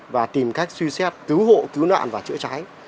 và tìm cách suy xét cứu hộ cứu nạn và chữa cháy